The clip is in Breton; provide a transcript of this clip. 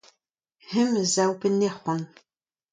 Hemañ a sav p’en dez c’hoant.